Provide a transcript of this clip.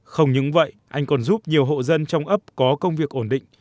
không những vậy anh còn giúp nhiều hộ dân trong ấp có công việc ổn định